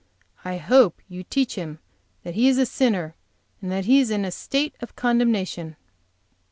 I hope you teach him that he is a sinner, and that he is in a state of condemnation."